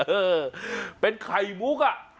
เออเป็นไข่มุก